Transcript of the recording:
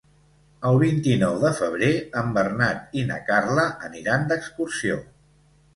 El vint-i-nou de febrer en Bernat i na Carla aniran d'excursió.